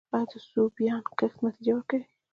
آیا د سویابین کښت نتیجه ورکړې؟